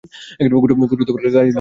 শুটু, গাড়ি লক করিসনি?